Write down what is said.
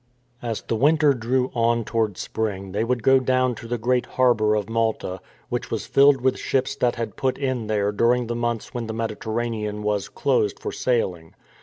As the winter drew on toward spring they would go down to the great harbour of Malta, which was filled with ships that had put in there during the months when the Mediterranean was " closed " for sailing.